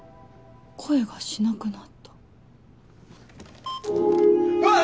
声がしなくなった。あっ！